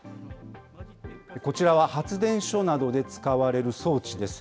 こちらは発電所などで使われる装置です。